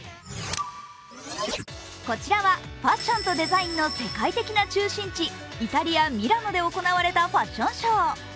こちらはファッションとデザインの世界的な中心地、イタリア・ミラノで行われたファッションショー。